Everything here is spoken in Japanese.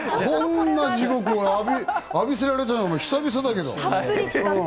こんな地獄浴びせられたのは久々だけど。